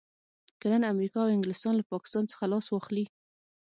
که نن امريکا او انګلستان له پاکستان څخه لاس واخلي.